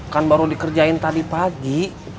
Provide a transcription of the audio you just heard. kan baru dikerjain tadi pagi